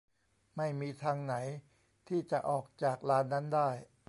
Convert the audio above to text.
ไม่มีทางไหนที่จะออกจากลานนั้นได้